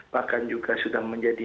bahkan juga sudah menjadi